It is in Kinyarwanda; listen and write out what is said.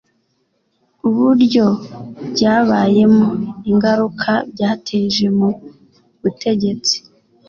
uburyo byabayemo, ingaruka byateje mu butegetsi